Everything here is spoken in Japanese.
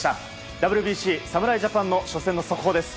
ＷＢＣ、侍ジャパンの初戦の速報です。